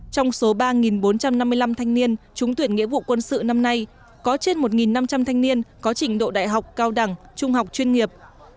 trong số ba bốn trăm năm mươi năm thanh niên trúng tuyển nghĩa vụ quân sự năm nay có trên một năm trăm linh thanh niên có trình độ đại học cao đẳng trung học chuyên nghiệp